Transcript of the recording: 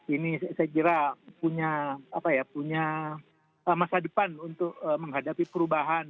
ini saya kira punya masa depan untuk menghadapi perubahan